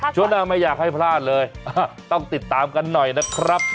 ช่วงหน้าไม่อยากให้พลาดเลยต้องติดตามกันหน่อยนะครับ